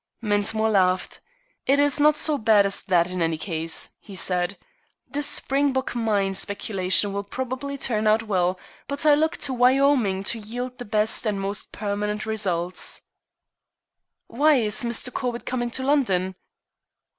Mensmore laughed. "It is not so bad as that in any case," he said. "This Springbok Mine speculation will probably turn out well, but I look to Wyoming to yield the best and most permanent results." "Why is Mr. Corbett coming to London?"